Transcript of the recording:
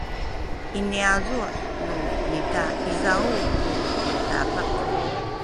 i niyazu’ nu mita izaw ku dabek